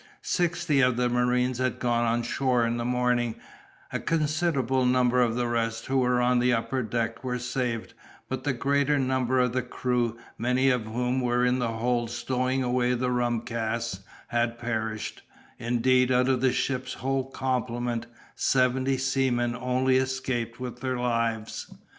Sixty of the marines had gone on shore in the morning, a considerable number of the rest who were on the upper deck were saved, but the greater number of the crew, many of whom were in the hold stowing away the rum casks, had perished; indeed, out of the ship's whole complement, seventy seamen only escaped with their lives.